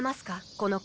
この子。